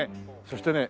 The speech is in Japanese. そしてね